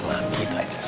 buat makin termakan